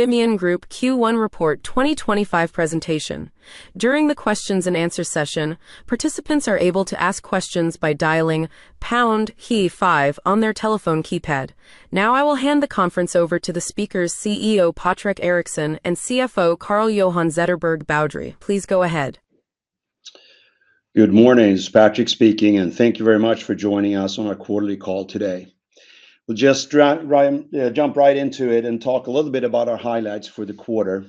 Vimian Group Q1 Report 2025 Presentation. During the Q&A session, participants are able to ask questions by dialing pound key five on their telephone keypad. Now, I will hand the conference over to the speakers, CEO Patrik Eriksson and CFO Carl-Johan Zetterberg Boudrie. Please go ahead. Good morning, Patrik speaking, and thank you very much for joining us on our quarterly call today. We'll just jump right into it and talk a little bit about our highlights for the quarter.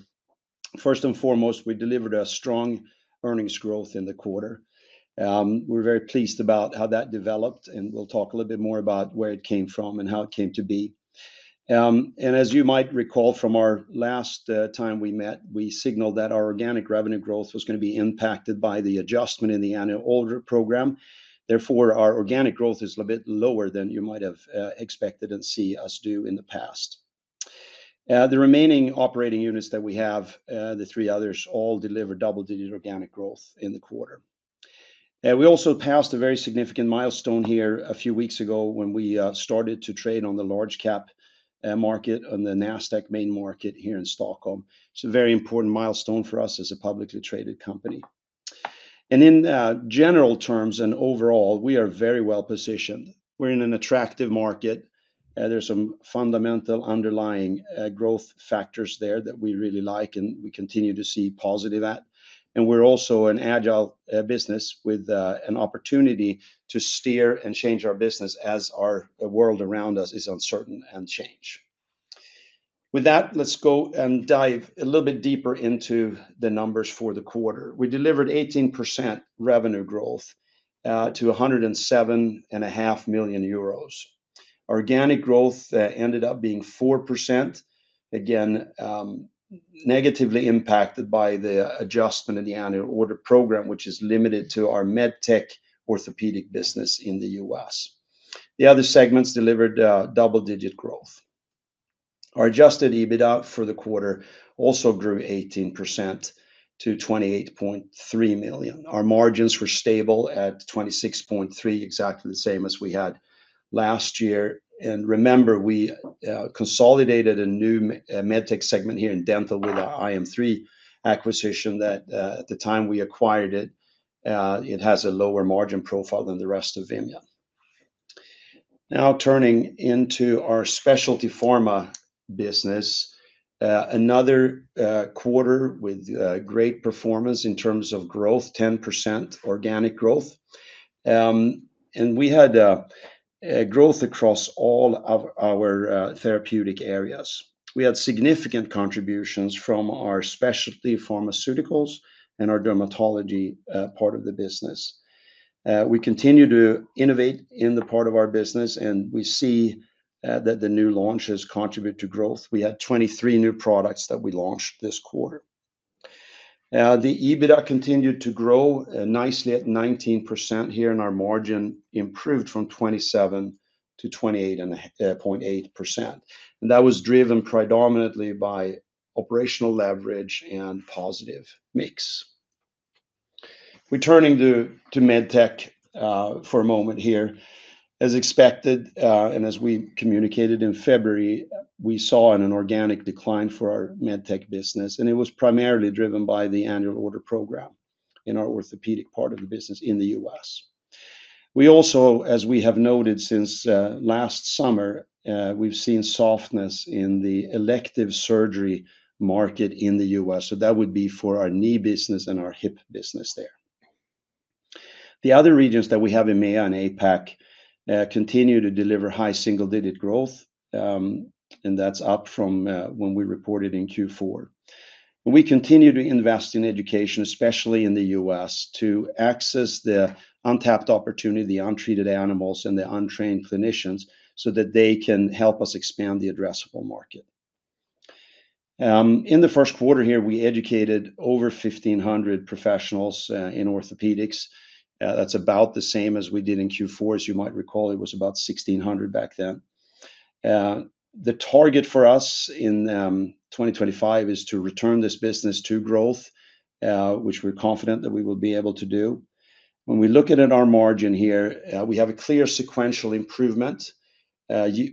First and foremost, we delivered a strong earnings growth in the quarter. We're very pleased about how that developed, and we'll talk a little bit more about where it came from and how it came to be. As you might recall from our last time we met, we signaled that our organic revenue growth was going to be impacted by the adjustment in the annual order program. Therefore, our organic growth is a little bit lower than you might have expected and seen us do in the past. The remaining operating units that we have, the three others, all delivered double-digit organic growth in the quarter. We also passed a very significant milestone here a few weeks ago when we started to trade on the Large Cap market, on the Nasdaq Main Market here in Stockholm. It is a very important milestone for us as a publicly traded company. In general terms and overall, we are very well positioned. We are in an attractive market. There are some fundamental underlying growth factors there that we really like, and we continue to see positive at. We are also an agile business with an opportunity to steer and change our business as our world around us is uncertain and change. With that, let's go and dive a little bit deeper into the numbers for the quarter. We delivered 18% revenue growth to 107.5 million euros. Organic growth ended up being 4%, again negatively impacted by the adjustment in the annual order program, which is limited to our MedTech orthopedic business in the U.S. The other segments delivered double-digit growth. Our adjusted EBITDA for the quarter also grew 18% to 28.3 million. Our margins were stable at 26.3 million, exactly the same as we had last year. Remember, we consolidated a new MedTech segment here in dental with our iM3 acquisition that, at the time we acquired it, has a lower margin profile than the rest of Vimian. Now, turning into our Specialty Pharma business, another quarter with great performance in terms of growth, 10% organic growth. We had growth across all of our therapeutic areas. We had significant contributions from our Specialty Pharmaceuticals and our Dermatology part of the business. We continue to innovate in the part of our business, and we see that the new launches contribute to growth. We had 23 new products that we launched this quarter. The EBITDA continued to grow nicely at 19% here, and our margin improved from 27% to 28.8%. That was driven predominantly by operational leverage and positive mix. Returning to MedTech for a moment here, as expected, and as we communicated in February, we saw an organic decline for our MedTech business, and it was primarily driven by the annual order program in our orthopedic part of the business in the U.S. We also, as we have noted since last summer, have seen softness in the elective surgery market in the U.S. That would be for our knee business and our hip business there. The other regions that we have in EMEA and APAC continue to deliver high single-digit growth, and that's up from when we reported in Q4. We continue to invest in education, especially in the U.S, to access the untapped opportunity, the untreated animals, and the untrained clinicians so that they can help us expand the addressable market. In the first quarter here, we educated over 1,500 professionals in orthopedics. That's about the same as we did in Q4. As you might recall, it was about 1,600 back then. The target for us in 2025 is to return this business to growth, which we're confident that we will be able to do. When we look at our margin here, we have a clear sequential improvement,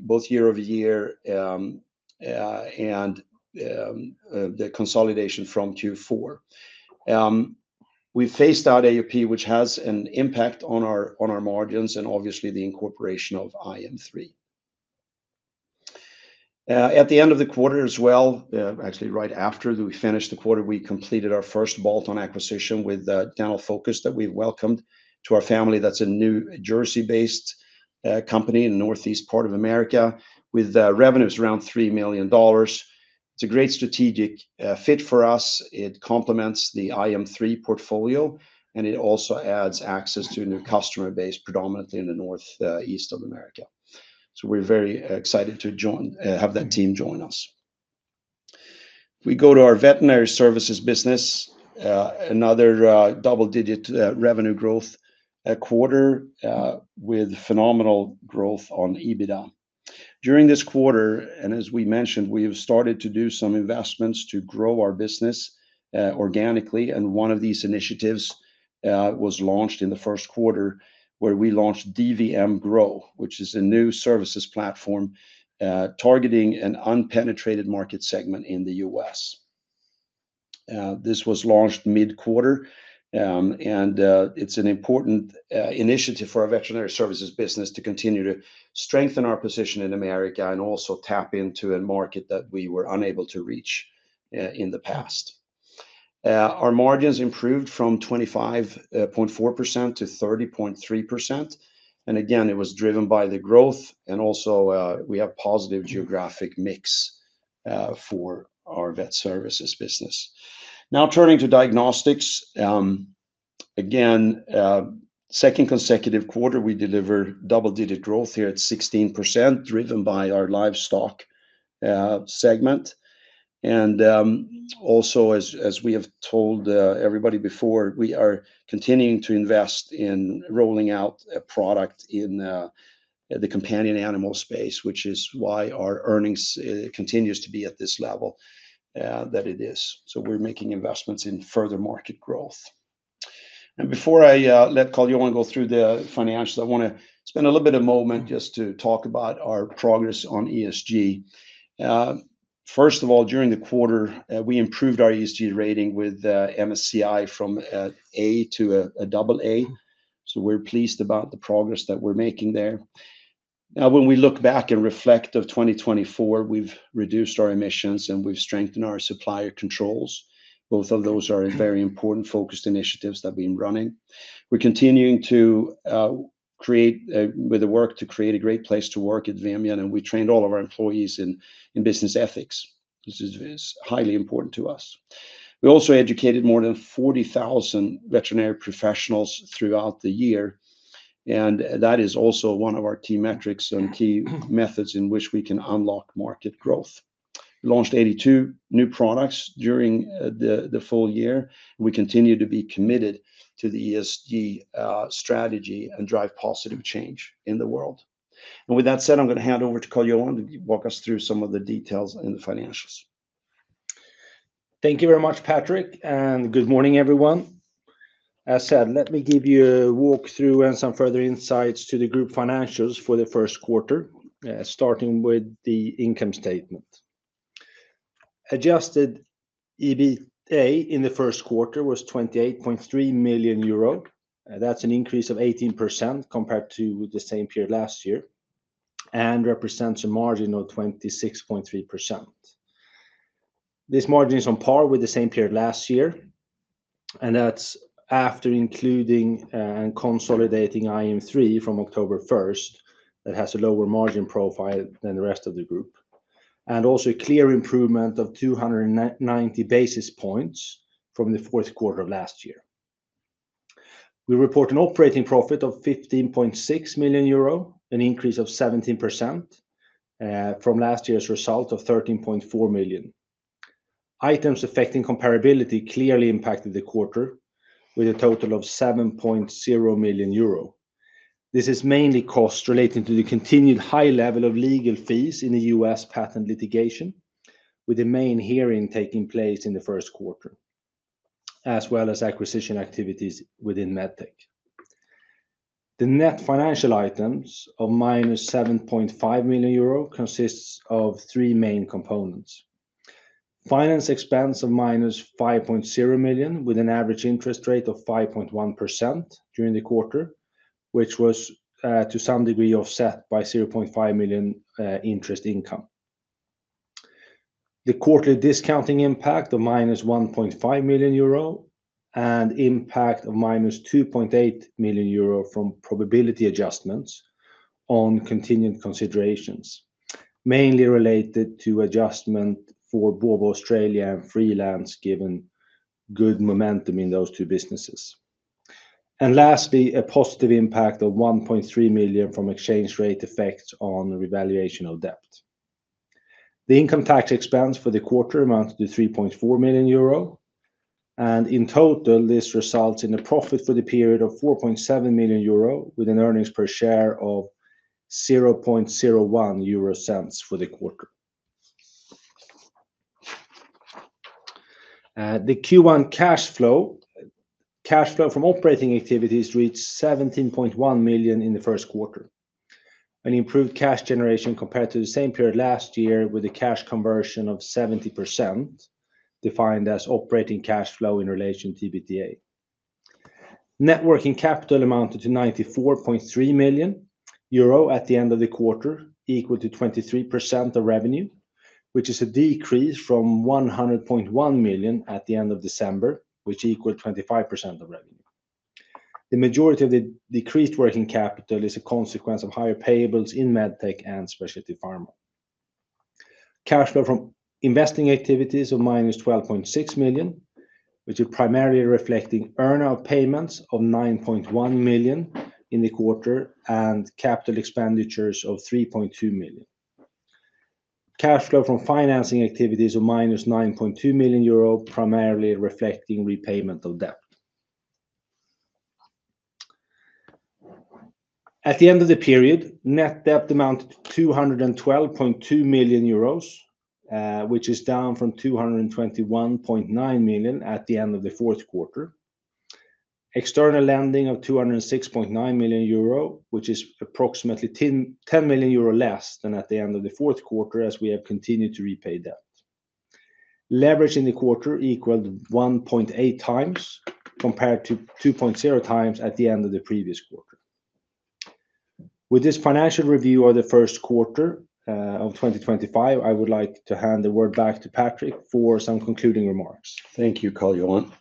both year over year and the consolidation from Q4. We phased out AOP, which has an impact on our margins and obviously the incorporation of iM3. At the end of the quarter as well, actually right after we finished the quarter, we completed our first bolt-on acquisition with Dental Focus that we welcomed to our family. That's a New Jersey-based company in the northeast part of America with revenues around $3 million. It's a great strategic fit for us. It complements the iM3 portfolio, and it also adds access to a new customer base predominantly in the northeast of America. We are very excited to have that team join us. We go to our Veterinary Services business. Another double-digit revenue growth quarter with phenomenal growth on EBITDA. During this quarter, as we mentioned, we have started to do some investments to grow our business organically. One of these initiatives was launched in the first quarter where we launched DVM Grow, which is a new services platform targeting an unpenetrated market segment in the U.S. This was launched mid-quarter, and it's an important initiative for our Veterinary Services business to continue to strengthen our position in the U.S. and also tap into a market that we were unable to reach in the past. Our margins improved from 25.4% to 30.3%. It was driven by the growth, and also we have positive geographic mix for our Vet Services business. Now, turning to Diagnostics, again, second consecutive quarter, we delivered double-digit growth here at 16%, driven by our livestock segment. Also, as we have told everybody before, we are continuing to invest in rolling out a product in the companion animal space, which is why our earnings continues to be at this level that it is. We are making investments in further market growth. Before I let Carl-Johan go through the financials, I want to spend a little bit of a moment just to talk about our progress on ESG. First of all, during the quarter, we improved our ESG rating with MSCI from an A to a AA. We are pleased about the progress that we are making there. Now, when we look back and reflect on 2024, we have reduced our emissions and we have strengthened our supplier controls. Both of those are very important focused initiatives that we have been running. We are continuing to create, with the work to create a great place to work at Vimian, and we trained all of our employees in business ethics. This is highly important to us. We also educated more than 40,000 veterinary professionals throughout the year, and that is also one of our key metrics and key methods in which we can unlock market growth. We launched 82 new products during the full year. We continue to be committed to the ESG strategy and drive positive change in the world. With that said, I'm going to hand over to Carl-Johan to walk us through some of the details in the financials. Thank you very much, Patrik, and good morning, everyone. As I said, let me give you a walkthrough and some further insights to the group financials for the first quarter, starting with the income statement. Adjusted EBITDA in the first quarter was 28.3 million euro. That's an increase of 18% compared to the same period last year and represents a margin of 26.3%. This margin is on par with the same period last year, and that's after including and consolidating iM3 from October 1 that has a lower margin profile than the rest of the group, and also a clear improvement of 290 basis points from the fourth quarter of last year. We report an operating profit of 15.6 million euro, an increase of 17% from last year's result of 13.4 million. Items affecting comparability clearly impacted the quarter with a total of 7.0 million euro. This is mainly costs relating to the continued high level of legal fees in the U.S. patent litigation, with the main hearing taking place in the first quarter, as well as acquisition activities within MedTech. The net financial items of -7.5 million euro consist of three main components: finance expense of -5.0 million with an average interest rate of 5.1% during the quarter, which was to some degree offset by 0.5 million interest income; the quarterly discounting impact of -1.5 million euro and impact of -2.8 million euro from probability adjustments on continued considerations, mainly related to adjustment for Bova Australia, and Freelance, given good momentum in those two businesses; and lastly, a positive impact of 1.3 million from exchange rate effects on revaluation of debt. The income tax expense for the quarter amounts to 3.4 million euro, and in total, this results in a profit for the period of 4.7 million euro with an Earnings Per Share of 0.01 for the quarter. The Q1 cash flow from operating activities reached 17.1 million in the first quarter, an improved cash generation compared to the same period last year with a cash conversion of 70%, defined as operating cash flow in relation to EBITDA. Net working capital amounted to 94.3 million euro at the end of the quarter, equal to 23% of revenue, which is a decrease from 100.1 million at the end of December, which equaled 25% of revenue. The majority of the decreased working capital is a consequence of higher payables in MedTech and Specialty Pharma. Cash flow from investing activities of 12.6 million, which is primarily reflecting earn-out payments of 9.1 million in the quarter and capital expenditures of 3.2 million. Cash flow from financing activities of 9.2 million euro primarily reflecting repayment of debt. At the end of the period, net debt amounted to 212.2 million euros, which is down from 221.9 million at the end of the fourth quarter. External lending of 206.9 million euro, which is approximately 10 million euro less than at the end of the fourth quarter as we have continued to repay debt. Leverage in the quarter equaled 1.8 times compared to 2.0 times at the end of the previous quarter. With this financial review of the first quarter of 2025, I would like to hand the word back to Patrik for some concluding remarks. Thank you, Carl-Johan.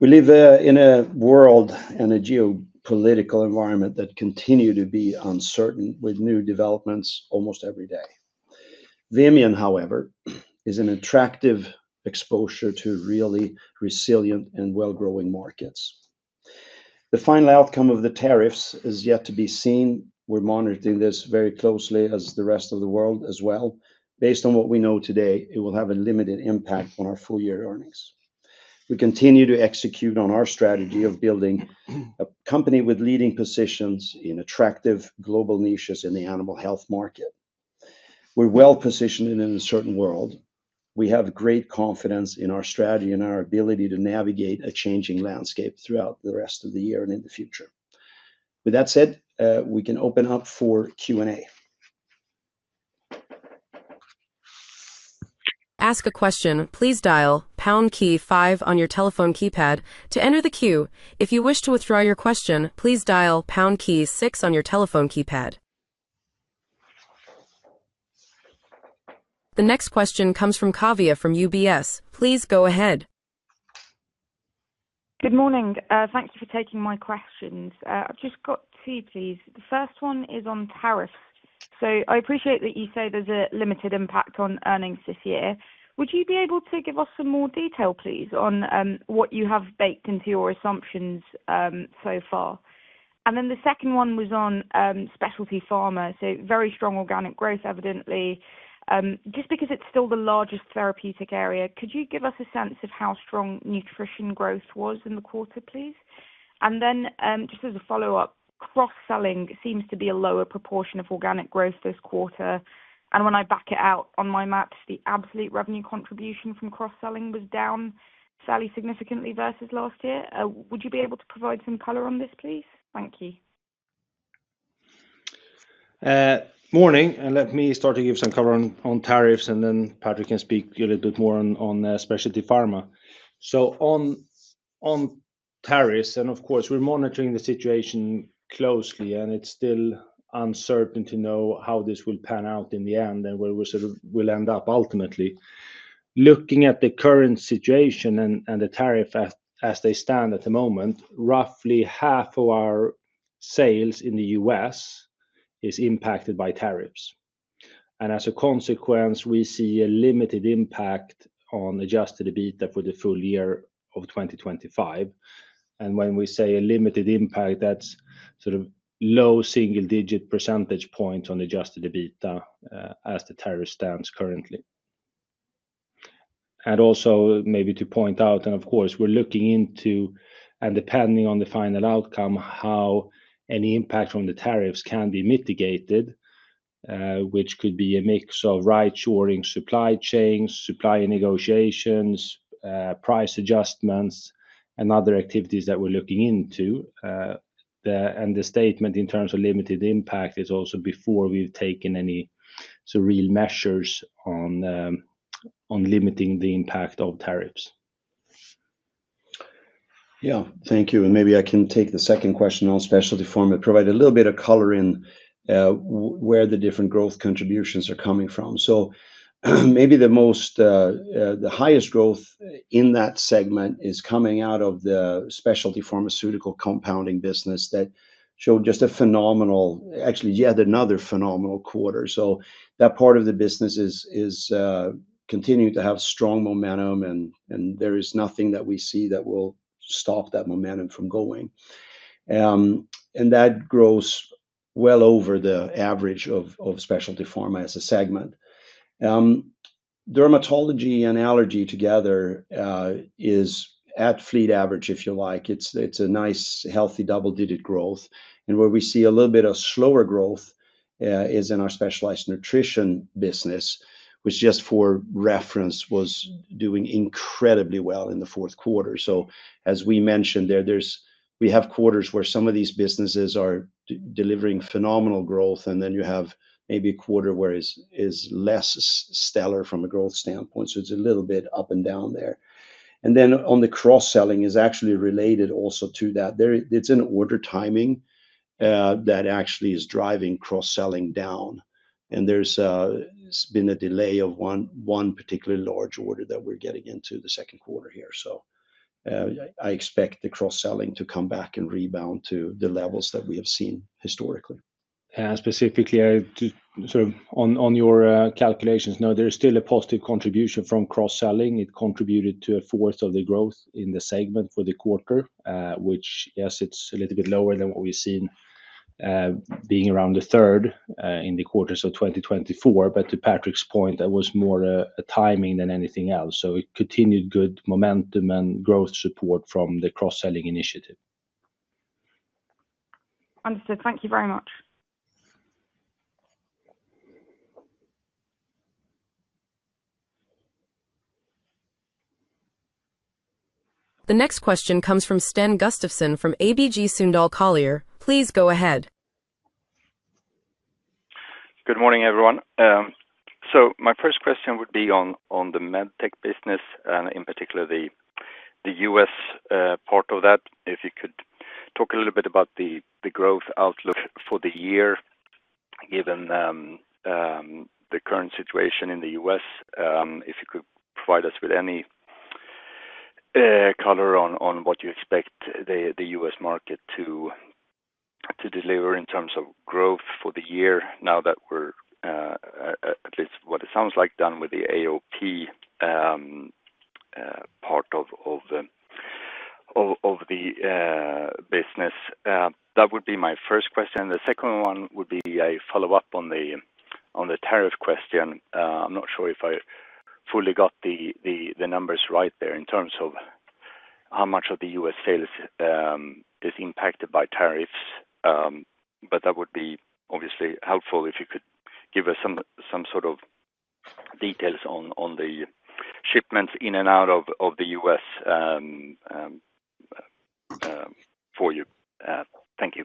We live in a world and a geopolitical environment that continue to be uncertain with new developments almost every day. Vimian, however, is an attractive exposure to really resilient and well-growing markets. The final outcome of the tariffs is yet to be seen. We're monitoring this very closely as the rest of the world as well. Based on what we know today, it will have a limited impact on our full-year earnings. We continue to execute on our strategy of building a company with leading positions in attractive global niches in the animal health market. We're well positioned in a certain world. We have great confidence in our strategy and our ability to navigate a changing landscape throughout the rest of the year and in the future. With that said, we can open up for Q&A. To ask a question, please dial pound key five on your telephone keypad to enter the queue. If you wish to withdraw your question, please dial pound key six on your telephone keypad. The next question comes from Kavya from UBS. Please go ahead. Good morning. Thank you for taking my questions. I've just got two, please. The first one is on tariffs. I appreciate that you say there's a limited impact on earnings this year. Would you be able to give us some more detail, please, on what you have baked into your assumptions so far? The second one was on Specialty Pharma. Very strong organic growth, evidently. Just because it's still the largest therapeutic area, could you give us a sense of how strong nutrition growth was in the quarter, please? Just as a follow-up, cross-selling seems to be a lower proportion of organic growth this quarter. When I back it out on my maps, the absolute revenue contribution from cross-selling was down fairly significantly versus last year. Would you be able to provide some color on this, please? Thank you. Morning. Let me start to give some cover on tariffs, and then Patrik can speak a little bit more on Specialty Pharma. On tariffs, of course, we're monitoring the situation closely, and it's still uncertain to know how this will pan out in the end and where we'll end up ultimately. Looking at the current situation and the tariffs as they stand at the moment, roughly half of our sales in the U.S. is impacted by tariffs. As a consequence, we see a limited impact on adjusted EBITDA for the full year of 2025. When we say a limited impact, that's sort of low single-digit percentage points on adjusted EBITDA as the tariffs stand currently. Also, maybe to point out, of course, we're looking into, and depending on the final outcome, how any impact from the tariffs can be mitigated, which could be a mix of right-shoring supply chains, supply negotiations, price adjustments, and other activities that we're looking into. The statement in terms of limited impact is also before we've taken any real measures on limiting the impact of tariffs. Thank you. Maybe I can take the second question on Specialty Pharma, provide a little bit of color in where the different growth contributions are coming from. Maybe the highest growth in that segment is coming out of the Specialty Pharmaceutical compounding business that showed just a phenomenal, actually yet another phenomenal quarter. That part of the business is continuing to have strong momentum, and there is nothing that we see that will stop that momentum from going. That grows well over the average of Specialty Pharma as a segment. Dermatology and Allergy together is at fleet average, if you like. It's a nice, healthy double-digit growth. Where we see a little bit of slower growth is in our Specialized Nutrition business, which just for reference was doing incredibly well in the fourth quarter. As we mentioned there, we have quarters where some of these businesses are delivering phenomenal growth, and then you have maybe a quarter where it's less stellar from a growth standpoint. It's a little bit up and down there. On the cross-selling, it is actually related also to that. It's an order timing that actually is driving cross-selling down. There has been a delay of one particular large order that we are getting into the second quarter here. I expect the cross-selling to come back and rebound to the levels that we have seen historically. Specifically, on your calculations, there is still a positive contribution from cross-selling. It contributed to a fourth of the growth in the segment for the quarter, which, yes, is a little bit lower than what we have seen being around a third in the quarters of 2024. To Patrik's point, that was more a timing than anything else. It continued good momentum and growth support from the cross-selling initiative. Understood. Thank you very much. The next question comes from Sten Gustafsson from ABG Sundal Collier. Please go ahead. Good morning, everyone. My first question would be on the MedTech business, and in particular the U.S. part of that. If you could talk a little bit about the growth outlook for the year, given the current situation in the U.S., if you could provide us with any color on what you expect the U.S. market to deliver in terms of growth for the year now that we're at least what it sounds like done with the AOP part of the business. That would be my first question. The second one would be a follow-up on the tariff question. I'm not sure if I fully got the numbers right there in terms of how much of the U.S. sales is impacted by tariffs, but that would be obviously helpful if you could give us some sort of details on the shipments in and out of the U.S. for you. Thank you.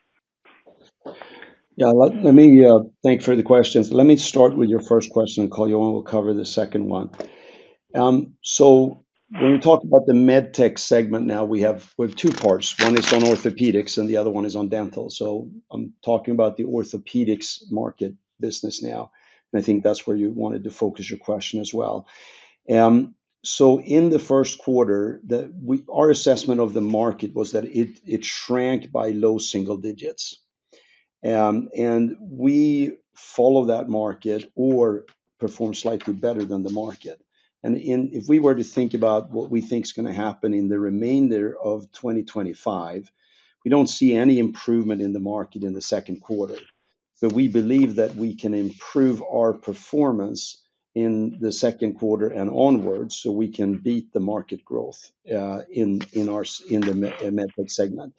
Yeah, let me thank you for the questions. Let me start with your first question, and Carl-Johan will cover the second one. When we talk about the MedTech segment now, we have two parts. One is on orthopedics, and the other one is on dental. I am talking about the orthopedics market business now. I think that is where you wanted to focus your question as well. In the first quarter, our assessment of the market was that it shrank by low single digits. We follow that market or perform slightly better than the market. If we were to think about what we think is going to happen in the remainder of 2025, we do not see any improvement in the market in the second quarter. We believe that we can improve our performance in the second quarter and onwards so we can beat the market growth in the MedTech segment.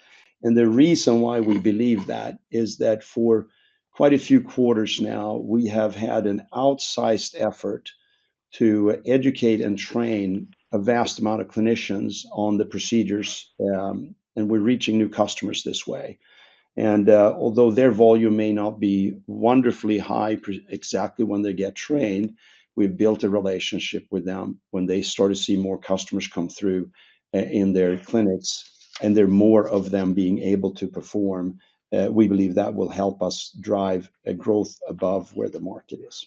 The reason why we believe that is that for quite a few quarters now, we have had an outsized effort to educate and train a vast amount of clinicians on the procedures, and we're reaching new customers this way. Although their volume may not be wonderfully high exactly when they get trained, we've built a relationship with them when they start to see more customers come through in their clinics, and there are more of them being able to perform. We believe that will help us drive growth above where the market is.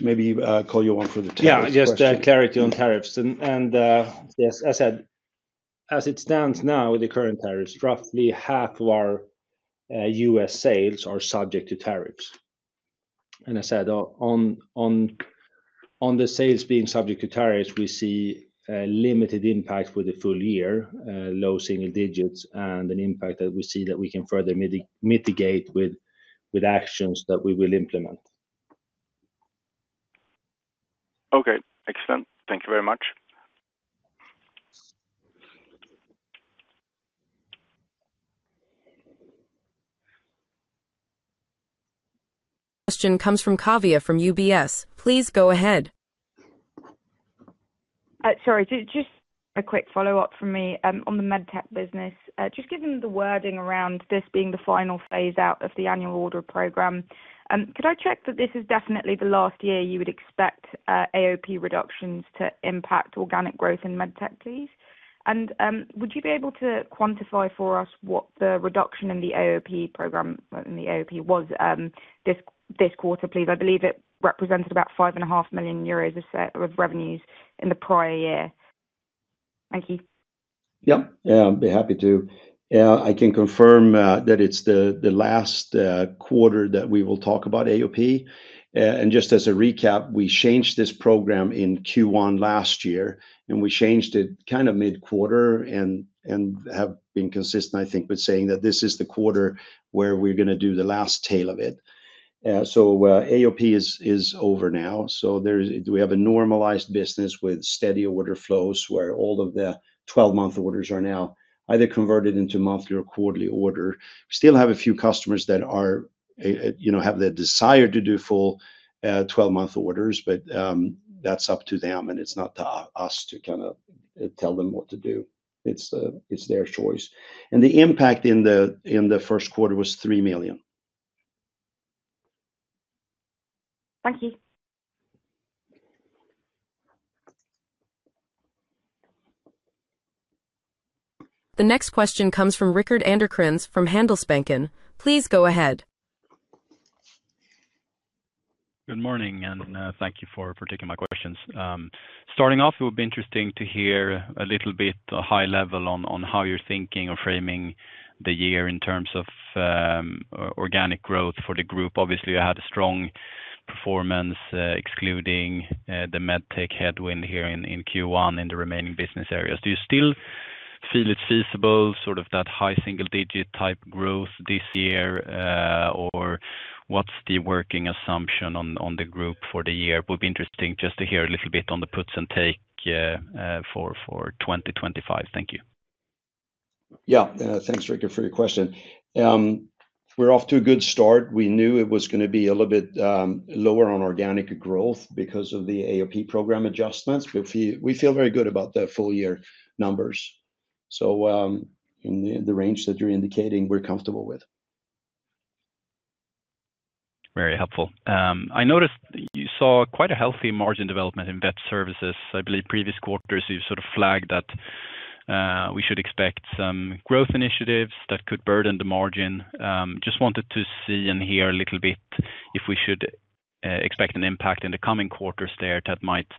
Maybe Carl-Johan for the tariffs. Yeah, just clarity on tariffs. As I said, as it stands now with the current tariffs, roughly half of our U.S. sales are subject to tariffs. As I said, on the sales being subject to tariffs, we see a limited impact for the full year, low single digits, and an impact that we see that we can further mitigate with actions that we will implement. Okay. Excellent. Thank you very much. Question comes from Kavya from UBS. Please go ahead. Sorry, just a quick follow-up from me on the MedTech business. Just given the wording around this being the final phase out of the annual order program, could I check that this is definitely the last year you would expect AOP reductions to impact organic growth in MedTech, please? And would you be able to quantify for us what the reduction in the AOP program, in the AOP was this quarter, please? I believe it represented about 5.5 million euros of revenues in the prior year. Thank you. Yep. Yeah, I'd be happy to. Yeah, I can confirm that it's the last quarter that we will talk about AOP. Just as a recap, we changed this program in Q1 last year, and we changed it kind of mid-quarter and have been consistent, I think, with saying that this is the quarter where we're going to do the last tail of it. AOP is over now. We have a normalized business with steady order flows where all of the 12-month orders are now either converted into monthly or quarterly order. We still have a few customers that have the desire to do full 12-month orders, but that's up to them, and it's not to us to kind of tell them what to do. It's their choice. The impact in the first quarter was 3 million. Thank you. The next question comes from Rickard Anderkrans from Handelsbanken. Please go ahead. Good morning, and thank you for taking my questions. Starting off, it would be interesting to hear a little bit high level on how you're thinking of framing the year in terms of organic growth for the group. Obviously, you had a strong performance excluding the MedTech headwind here in Q1 in the remaining business areas. Do you still feel it's feasible, sort of that high single-digit type growth this year, or what's the working assumption on the group for the year? Would be interesting just to hear a little bit on the puts and take for 2025. Thank you. Yeah, thanks, Rickard, for your question. We're off to a good start. We knew it was going to be a little bit lower on organic growth because of the AOP program adjustments, but we feel very good about the full-year numbers. In the range that you're indicating, we're comfortable with. Very helpful. I noticed you saw quite a healthy margin development in vet services. I believe previous quarters, you sort of flagged that we should expect some growth initiatives that could burden the margin. Just wanted to see and hear a little bit if we should expect an impact in the coming quarters there that might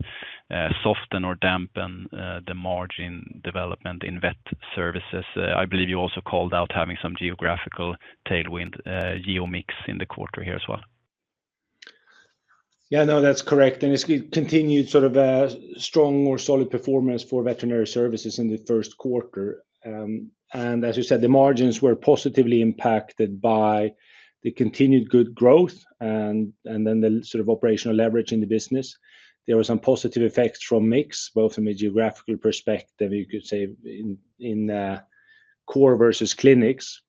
soften or dampen the margin development in Vet Services. I believe you also called out having some geographical tailwind. GeoMix in the quarter here as well. Yeah, no, that's correct. It's continued sort of a strong or solid performance for Veterinary Services in the first quarter. As you said, the margins were positively impacted by the continued good growth and then the sort of operational leverage in the business. There were some positive effects from mix both from a geographical perspective, you could say, in core versus clinics.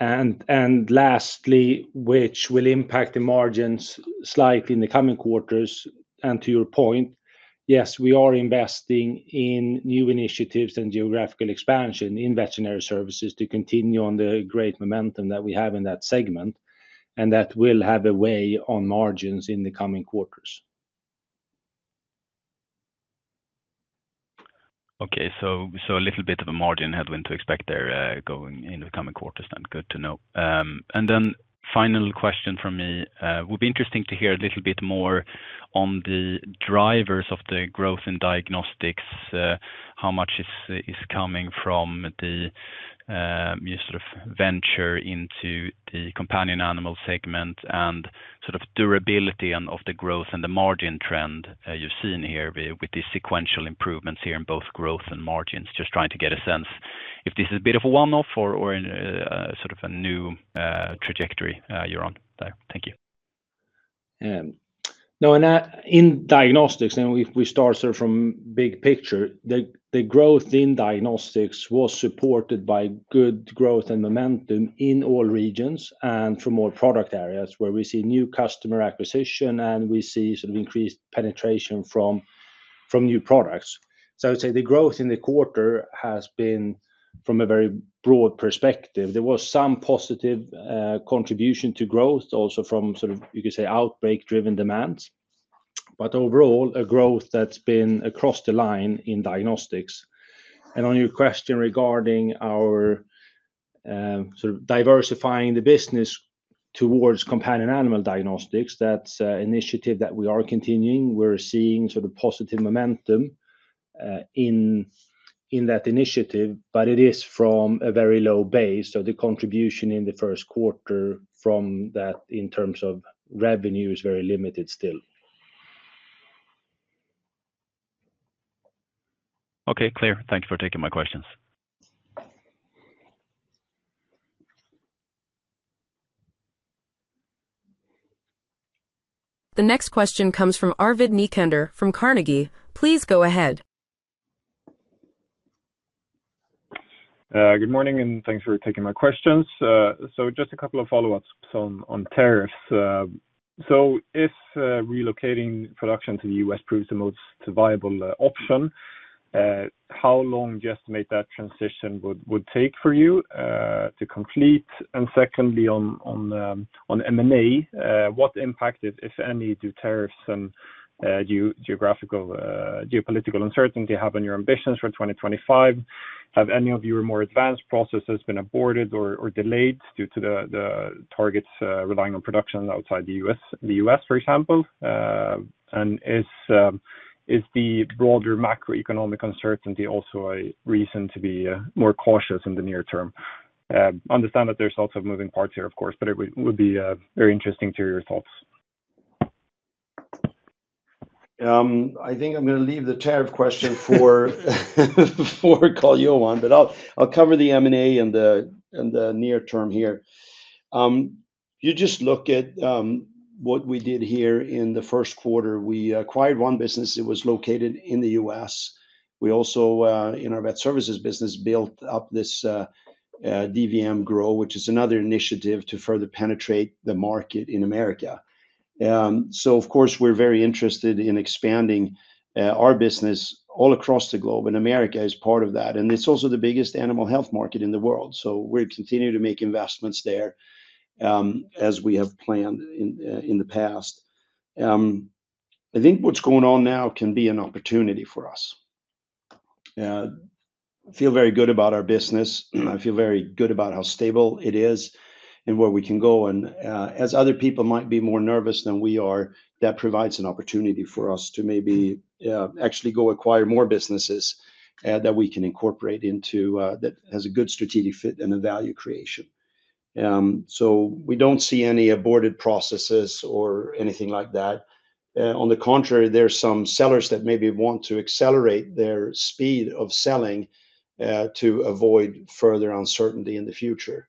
Lastly, which will impact the margins slightly in the coming quarters. To your point, yes, we are investing in new initiatives and geographical expansion in Veterinary Services to continue on the great momentum that we have in that segment, and that will have a weigh on margins in the coming quarters. Okay, a little bit of a margin headwind to expect there going in the coming quarters then. Good to know. Final question from me. Would be interesting to hear a little bit more on the drivers of the growth in Diagnostics, how much is coming from the sort of venture into the companion animal segment and sort of durability of the growth and the margin trend you've seen here with the sequential improvements here in both growth and margins, just trying to get a sense if this is a bit of a one-off or sort of a new trajectory you're on there. Thank you. No, in Diagnostics, and we start sort of from big picture, the growth in Diagnostics was supported by good growth and momentum in all regions and from all product areas where we see new customer acquisition, and we see sort of increased penetration from new products. I would say the growth in the quarter has been from a very broad perspective. There was some positive contribution to growth also from sort of, you could say, outbreak-driven demands. Overall, a growth that's been across the line in Diagnostics. On your question regarding our sort of diversifying the business towards companion animal Diagnostics, that's an initiative that we are continuing. We're seeing sort of positive momentum in that initiative, but it is from a very low base. The contribution in the first quarter from that in terms of revenue is very limited still. Okay, clear. Thank you for taking my questions. The next question comes from Arvid Necander from Carnegie. Please go ahead. Good morning, and thanks for taking my questions. Just a couple of follow-ups on tariffs. If relocating production to the U.S. proves the most viable option, how long do you estimate that transition would take for you to complete? Secondly, on M&A, what impact, if any, do tariffs and geopolitical uncertainty have on your ambitions for 2025? Have any of your more advanced processes been aborted or delayed due to the targets relying on production outside the U.S., for example? Is the broader macroeconomic uncertainty also a reason to be more cautious in the near term? I understand that there's lots of moving parts here, of course, but it would be very interesting to hear your thoughts. I think I'm going to leave the tariff question for Carl-Johan, but I'll cover the M&A and the near term here. You just look at what we did here in the first quarter. We acquired one business. It was located in the U.S. We also, in our Vet Services business, built up this DVM Grow, which is another initiative to further penetrate the market in America. Of course, we're very interested in expanding our business all across the globe, and America is part of that. It is also the biggest animal health market in the world. We're continuing to make investments there as we have planned in the past. I think what's going on now can be an opportunity for us. I feel very good about our business. I feel very good about how stable it is and where we can go. As other people might be more nervous than we are, that provides an opportunity for us to maybe actually go acquire more businesses that we can incorporate into that has a good strategic fit and a value creation. We don't see any aborted processes or anything like that. On the contrary, there are some sellers that maybe want to accelerate their speed of selling to avoid further uncertainty in the future.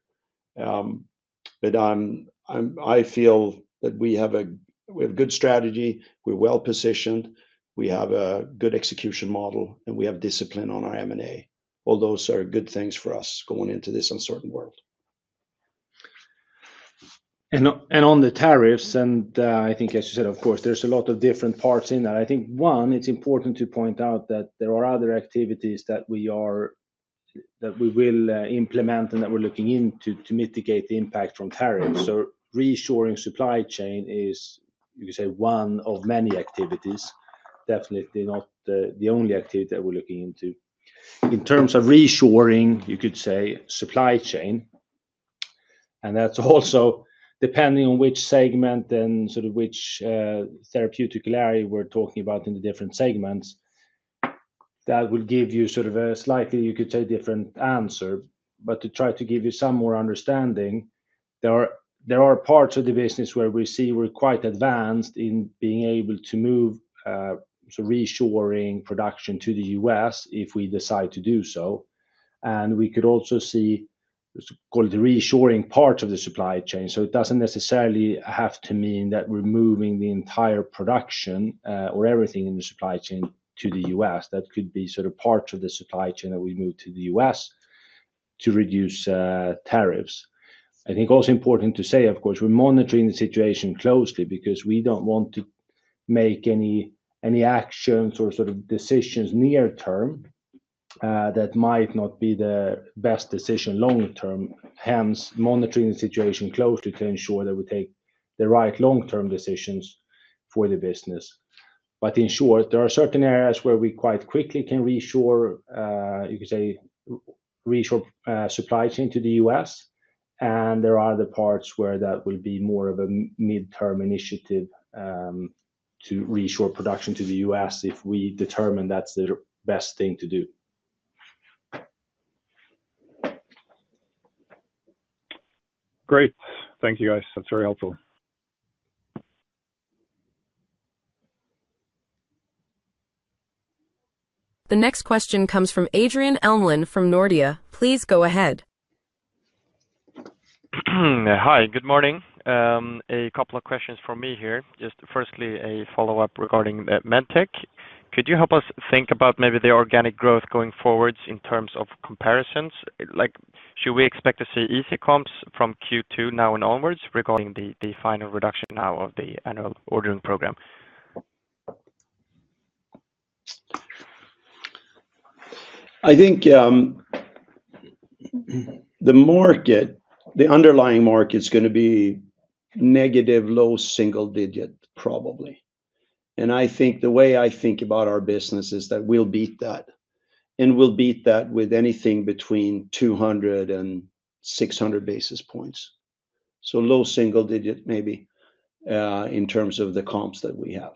I feel that we have a good strategy. We're well positioned. We have a good execution model, and we have discipline on our M&A. All those are good things for us going into this uncertain world. On the tariffs, I think, as you said, of course, there's a lot of different parts in that. I think, one, it's important to point out that there are other activities that we will implement and that we're looking into to mitigate the impact from tariffs. Reshoring supply chain is, you could say, one of many activities, definitely not the only activity that we're looking into. In terms of reshoring, you could say, supply chain. That is also depending on which segment and sort of which therapeutic area we are talking about in the different segments. That will give you a slightly, you could say, different answer. To try to give you some more understanding, there are parts of the business where we see we are quite advanced in being able to move reshoring production to the U.S. if we decide to do so. We could also see the reshoring part of the supply chain. It does not necessarily have to mean that we are moving the entire production or everything in the supply chain to the U.S.. That could be parts of the supply chain that we move to the U.S. to reduce tariffs. I think also important to say, of course, we're monitoring the situation closely because we don't want to make any actions or sort of decisions near term that might not be the best decision long term. Hence, monitoring the situation closely to ensure that we take the right long-term decisions for the business. In short, there are certain areas where we quite quickly can reshore, you could say, reshore supply chain to the U.S. There are other parts where that will be more of a mid-term initiative to reshore production to the U.S. if we determine that's the best thing to do. Great. Thank you, guys. That's very helpful. The next question comes from Adrian Elmlund from Nordea. Please go ahead. Hi, good morning. A couple of questions for me here. Just firstly, a follow-up regarding the MedTech. Could you help us think about maybe the organic growth going forwards in terms of comparisons? Should we expect to see easier comps from Q2 now and onwards regarding the final reduction now of the annual ordering program? I think the market, the underlying market's going to be negative, low single digit, probably. I think the way I think about our business is that we'll beat that. We'll beat that with anything between 200 and 600 basis points. Low single digit maybe in terms of the comps that we have.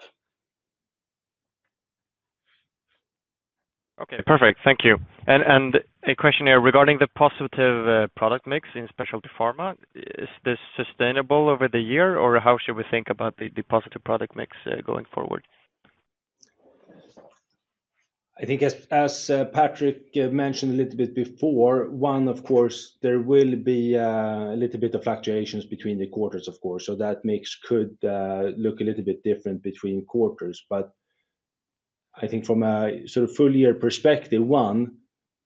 Okay, perfect. Thank you. A question here regarding the positive product mix in Specialty Pharma. Is this sustainable over the year, or how should we think about the positive product mix going forward? I think, as Patrik mentioned a little bit before, one, of course, there will be a little bit of fluctuations between the quarters, of course. That mix could look a little bit different between quarters. I think from a sort of full-year perspective, one,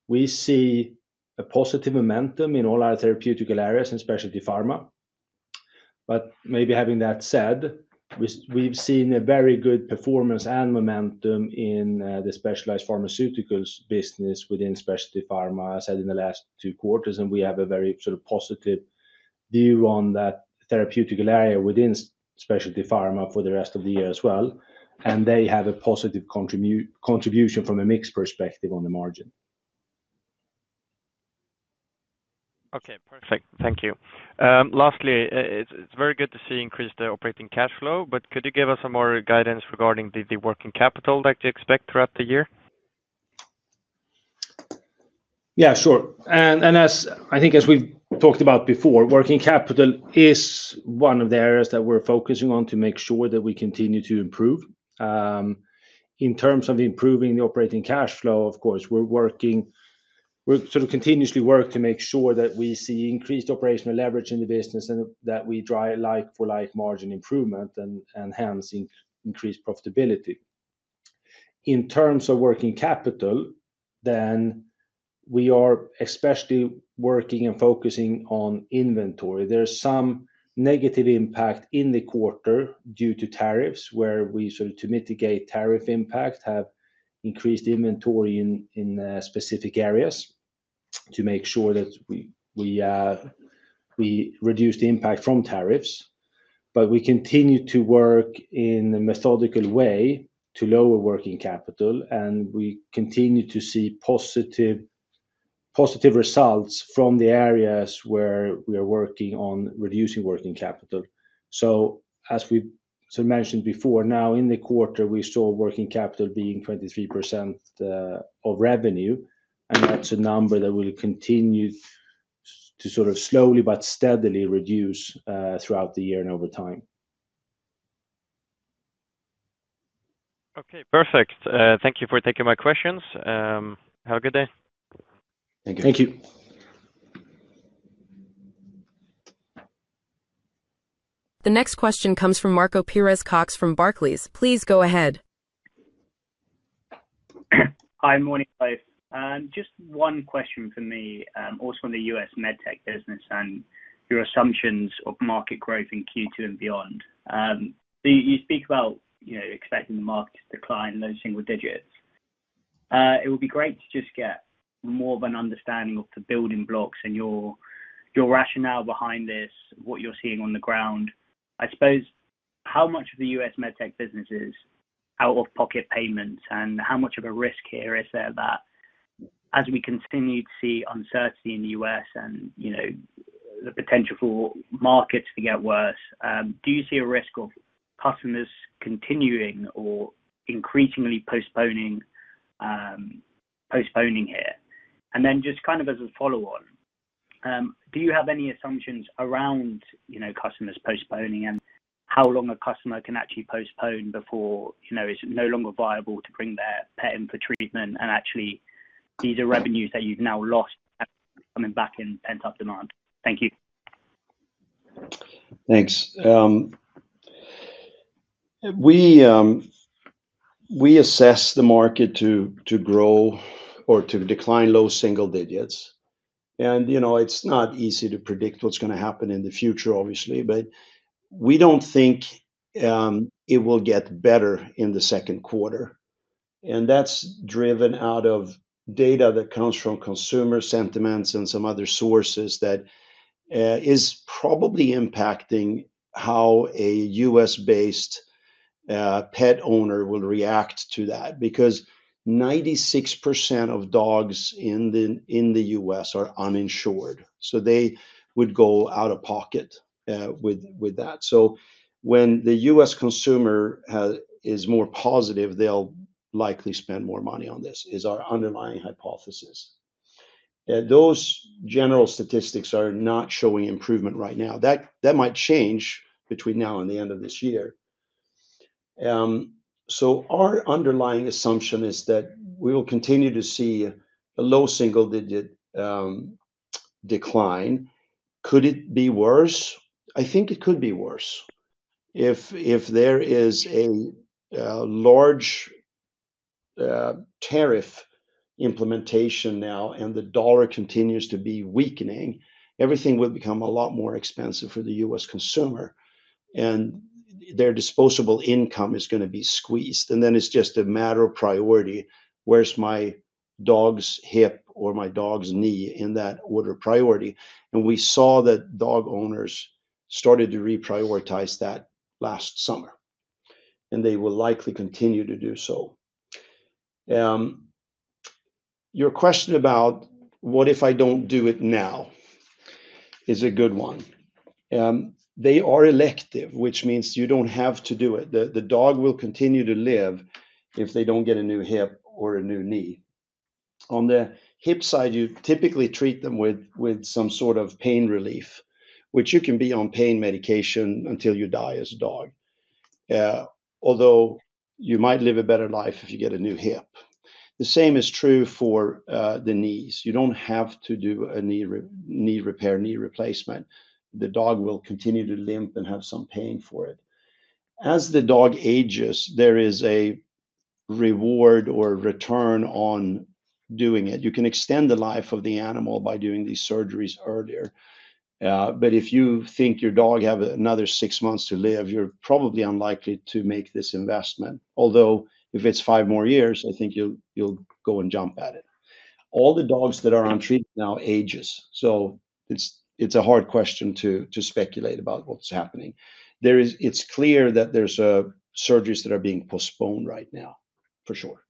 we see a positive momentum in all our therapeutical areas in Specialty Pharma. Maybe having that said, we've seen a very good performance and momentum in the specialized pharmaceuticals business within Specialty Pharma, as I said, in the last two quarters. We have a very sort of positive view on that therapeutical area within Specialty Pharma for the rest of the year as well. They have a positive contribution from a mix perspective on the margin. Okay, perfect. Thank you. Lastly, it's very good to see increased operating cash flow, but could you give us some more guidance regarding the working capital that you expect throughout the year? Yeah, sure. I think, as we've talked about before, working capital is one of the areas that we're focusing on to make sure that we continue to improve. In terms of improving the operating cash flow, of course, we're sort of continuously working to make sure that we see increased operational leverage in the business and that we drive like-for-like margin improvement and hence increased profitability. In terms of working capital, then we are especially working and focusing on inventory. There's some negative impact in the quarter due to tariffs where we sort of, to mitigate tariff impact, have increased inventory in specific areas to make sure that we reduce the impact from tariffs. We continue to work in a methodical way to lower working capital, and we continue to see positive results from the areas where we are working on reducing working capital. As we sort of mentioned before, now in the quarter, we saw working capital being 23% of revenue. That is a number that will continue to sort of slowly but steadily reduce throughout the year and over time. Okay, perfect. Thank you for taking my questions. Have a good day. Thank you. Thank you. The next question comes from Marco Pires-Cox from Barclays. Please go ahead. Hi, morning, guys. Just one question for me, also on the U.S. MedTech business and your assumptions of market growth in Q2 and beyond. You speak about expecting the market to decline in those single digits. It would be great to just get more of an understanding of the building blocks and your rationale behind this, what you're seeing on the ground. I suppose, how much of the U.S. MedTech business is out of pocket payments, and how much of a risk here is there that, as we continue to see uncertainty in the U.S. and the potential for markets to get worse, do you see a risk of customers continuing or increasingly postponing here? Just kind of as a follow-on, do you have any assumptions around customers postponing? How long a customer can actually postpone before it's no longer viable to bring their pet in for treatment and actually these are revenues that you've now lost coming back in pent-up demand? Thank you. Thanks. We assess the market to grow or to decline low single digits. It is not easy to predict what is going to happen in the future, obviously, but we do not think it will get better in the second quarter. That is driven out of data that comes from consumer sentiments and some other sources that is probably impacting how a U.S. based pet owner will react to that because 96% of dogs in the U.S. are uninsured. They would go out of pocket with that. When the U.S. consumer is more positive, they will likely spend more money on this is our underlying hypothesis. Those general statistics are not showing improvement right now. That might change between now and the end of this year. Our underlying assumption is that we will continue to see a low single-digit decline. Could it be worse? I think it could be worse. If there is a large tariff implementation now and the dollar continues to be weakening, everything will become a lot more expensive for the U.S. consumer. Their disposable income is going to be squeezed. It is just a matter of priority. Where is my dog's hip or my dog's knee in that order priority? We saw that dog owners started to reprioritize that last summer. They will likely continue to do so. Your question about what if I do not do it now is a good one. They are elective, which means you do not have to do it. The dog will continue to live if they do not get a new hip or a new knee. On the hip side, you typically treat them with some sort of pain relief, which you can be on pain medication until you die as a dog, although you might live a better life if you get a new hip. The same is true for the knees. You do not have to do a knee repair, knee replacement. The dog will continue to limp and have some pain for it. As the dog ages, there is a reward or return on doing it. You can extend the life of the animal by doing these surgeries earlier. If you think your dog has another six months to live, you are probably unlikely to make this investment. Although if it is five more years, I think you will go and jump at it. All the dogs that are on treatment now age. It is a hard question to speculate about what is happening. It's clear that there are surgeries that are being postponed right now, for sure.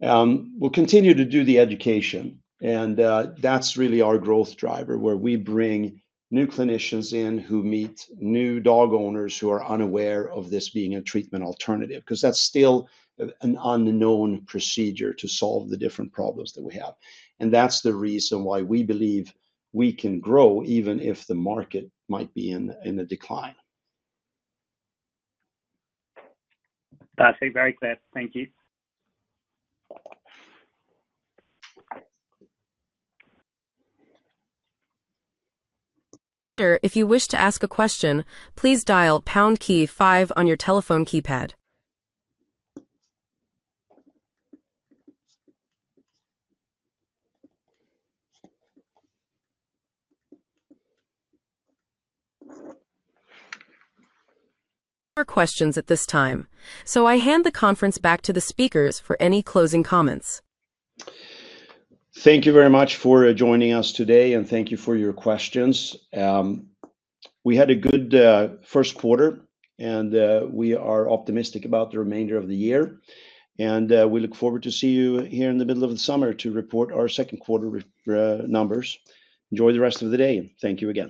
We'll continue to do the education. That's really our growth driver, where we bring new clinicians in who meet new dog owners who are unaware of this being a treatment alternative because that's still an unknown procedure to solve the different problems that we have. That's the reason why we believe we can grow even if the market might be in a decline. That's very clear. Thank you. If you wish to ask a question, please dial pound key five on your telephone keypad. No more questions at this time. So I hand the conference back to the speakers for any closing comments. Thank you very much for joining us today, and thank you for your questions. We had a good first quarter, and we are optimistic about the remainder of the year. We look forward to seeing you here in the middle of the summer to report our second quarter numbers. Enjoy the rest of the day. Thank you again.